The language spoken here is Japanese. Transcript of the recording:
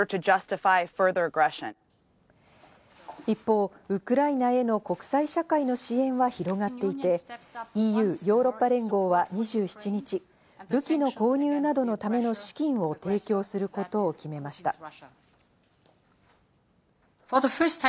一方、ウクライナへの国際社会の支援は広がっていて、ＥＵ＝ヨーロッパ連合は２７日、武器の購入などのための資金を提供することを決めました。